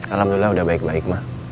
alhamdulillah udah baik baik